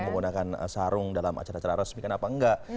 menggunakan sarung dalam acara acara resmi kan apa enggak